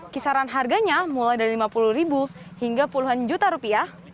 kisaran harganya mulai dari lima puluh ribu hingga puluhan juta rupiah